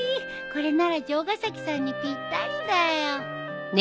これなら城ヶ崎さんにぴったりだよ。